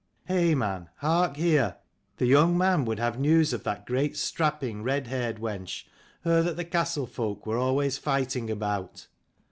Hey, man, hark here! The young man would have news of that great, strapping, red haired wench, her that the castle folk were always fighting about."